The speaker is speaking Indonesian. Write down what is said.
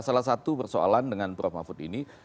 salah satu persoalan dengan prof mahfud ini